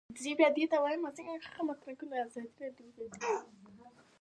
نارت بروک امیر ته ولیکل.